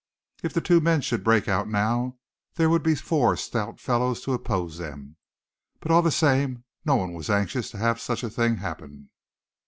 If the two men should break out now there would be four stout fellows to oppose them; but all the same no one was anxious to have such a thing happen.